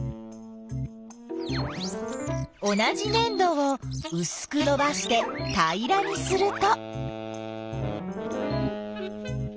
同じねん土をうすくのばしてたいらにすると。